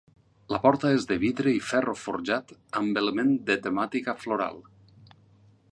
La porta és de vidre i ferro forjat amb element de temàtica floral.